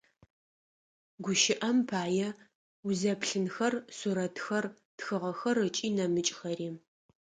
Гущыӏэм пае, узэплъынхэр, сурэтхэр, тхыгъэхэр ыкӏи нэмыкӏхэри.